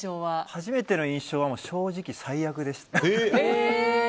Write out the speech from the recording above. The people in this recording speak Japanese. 初めての印象は正直、最悪でした。